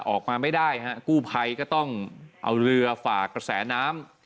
ออกมาไม่ได้ฮะกู้ภัยก็ต้องเอาเรือฝากกระแสน้ำ